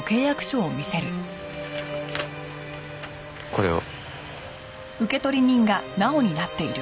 これを。